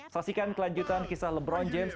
saksikan kelanjutan kisah lebron james